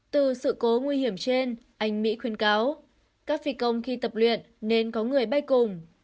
từ sự cố nguy hiểm trên anh mỹ khuyên cáo các phi công khi tập luyện nên có người bay cùng